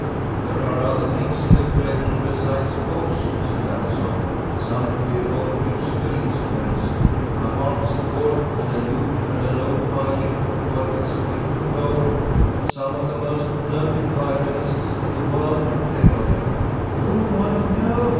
"There are other things in the collection besides books," said Allison "Some queer old musical instruments, a harpsichord and a lute, and an old violin worth its weight in gold. Some of the most noted violinists in the world have played on it." "Oh, I know!"